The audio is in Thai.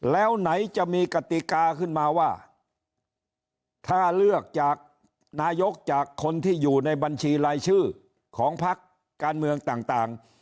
แล้วไหนจะมีกติกาขึ้นมาว่าถ้าเลือกจากนายกจากคนที่อยู่ในบัญชีรายชื่อของพักการเมืองต่าง